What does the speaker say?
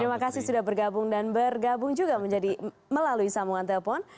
terima kasih sudah bergabung dan bergabung juga melalui sambungan telepon